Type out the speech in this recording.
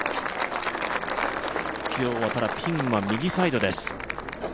今日はただ、ピンは右サイドです。